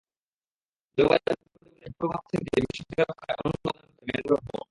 জলবায়ু পরিবর্তনের বিরূপ প্রভাব থেকে বিশ্বকে রক্ষায় অনন্য অবদান রাখছে ম্যানগ্রোভ বন।